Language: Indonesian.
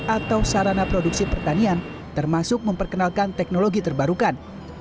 atau sarana produksi pertanian termasuk memperkenalkan teknologi terbarukan